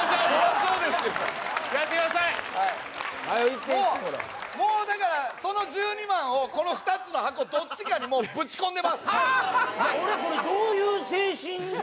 行って行ってもうだからその１２万をこの２つの箱どっちかにもうぶち込んでますいや